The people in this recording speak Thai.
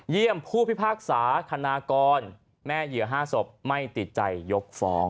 ผู้พิพากษาคณากรแม่เหยื่อ๕ศพไม่ติดใจยกฟ้อง